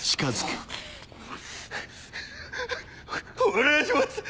お願いします